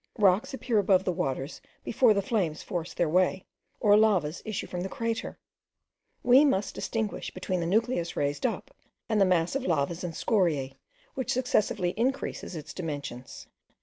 Rocks appear above the waters before the flames force their way, or lavas issue from the crater: we must distinguish between the nucleus raised up, and the mass of lavas and scoriae, which successively increases its dimensions.